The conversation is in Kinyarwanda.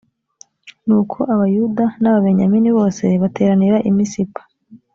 nuko abayuda n’ababenyamini bose bateranira i misipa